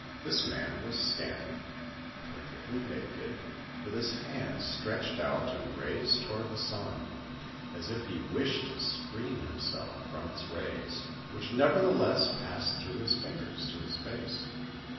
This man was standing, perfectly naked, with his hands stretched out and raised toward the sun, as if he wished to screen him self from its rays, which nevertheless passed through his fingers to his face.